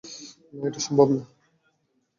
না, এটা সম্ভব না।